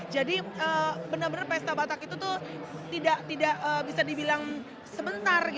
jadi benar benar pesta batak itu tuh tidak bisa dibilang sebentar